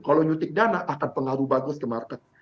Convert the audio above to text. kalau nyuntik dana akan pengaruh bagus ke market